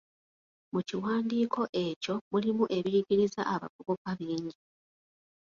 Mu kiwandiiko ekyo mulimu ebiyigiriza abavubuka bingi.